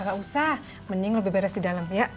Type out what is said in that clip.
gak usah mending lo beres di dalam ya